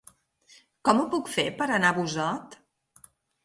Com ho puc fer per anar a Busot?